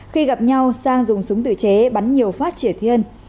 khi gặp nhau sang dùng súng tự chế bắn nhiều phát triển thiên